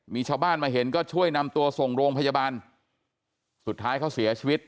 มีชาวบ้านมาเห็นก็ช่วยนำตัวส่งโรงพยาบาลสุดท้ายเขาเสียชีวิต